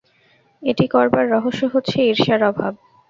এটি করবার রহস্য হচ্ছে ঈর্ষার অভাব।